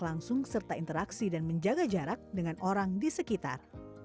langsung serta interaksi dan menjaga jarak dengan orang di sekitar